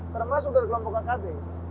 termasuk dari kelompok akp